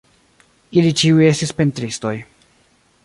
Ili ĉiuj estis pentristoj.